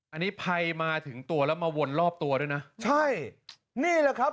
อันนี้ภัยมาถึงตัวแล้วมาวนรอบตัวด้วยนะใช่นี่แหละครับ